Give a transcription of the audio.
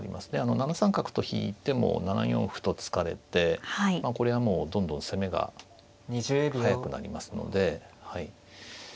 ７三角と引いても７四歩と突かれてこれはもうどんどん攻めが速くなりますので。